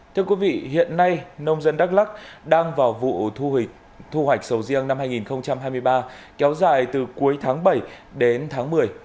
thưa quý vị hiện nay nông dân đắk lắc đang vào vụ thu hoạch sầu riêng năm hai nghìn hai mươi ba kéo dài từ cuối tháng bảy đến tháng một mươi